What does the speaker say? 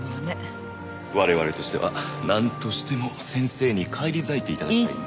我々としてはなんとしても先生に返り咲いて頂きたいので。